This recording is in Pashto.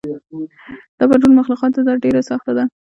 دا په ټولو مخلوقاتو ده ډېره سخته ده.